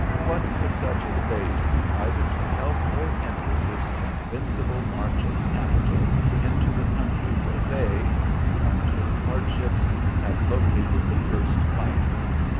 What could such as they do either to help or hinder this invincible march of capital into the country where they, with untold hardships, had located the first claims?